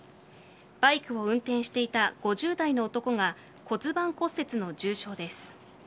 バイクを運転していた５０代の男が骨盤骨折の重傷です。